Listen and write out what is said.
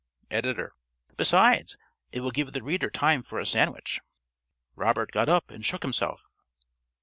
_ ~Editor.~ Besides, it will give the reader time for a sandwich.) Robert got up and shook himself.